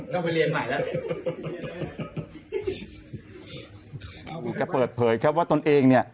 เขาก็เปิดเผยครับว่าตนเอง